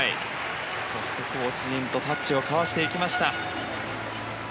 そして、コーチ陣とタッチを交わしていきました。